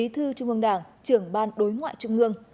thư trung ương đảng trưởng ban đối ngoại trung ương